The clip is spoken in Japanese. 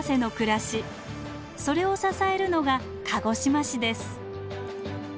それを支えるのが鹿児島市です。